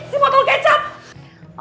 si patol kecap